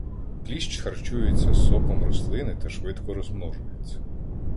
Кліщ харчується соком рослини та швидко розмножується.